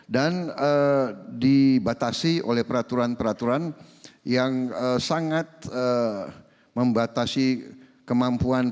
dan dibatasi oleh peraturan peraturan yang sangat membatasi kemampuan petunjuk